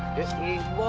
ibu assalamualaikum ibu